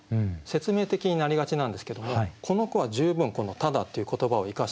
説明的になりがちなんですけどもこの句は十分この「ただ」っていう言葉を生かしている。